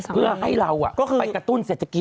เพื่อให้เราไปกระตุ้นเศรษฐกิจ